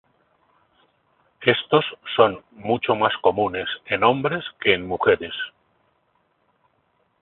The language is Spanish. Estos son mucho más comunes en hombres que en mujeres.